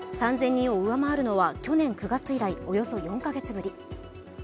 ３０００人を上回るのは去年９月以来およそ４カ月ぶり。